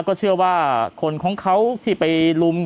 ก็เชื่อว่าคนของเขาที่ไปลุม